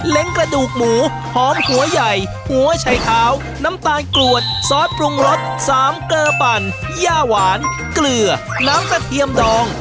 กระดูกหมูหอมหัวใหญ่หัวชัยเท้าน้ำตาลกรวดซอสปรุงรส๓เกลือปั่นย่าหวานเกลือน้ำกระเทียมดอง